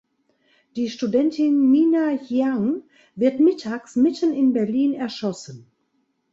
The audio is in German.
Die Studentin Mina Jiang wird mittags mitten in Berlin erschossen.